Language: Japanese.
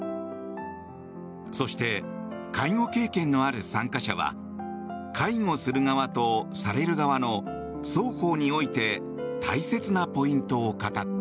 そして、介護経験のある参加者は介護する側とされる側の双方において大切なポイントを語った。